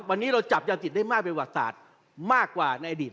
เรายึดทรัพย์ยาศิติได้มากที่สุดครับเวลานี้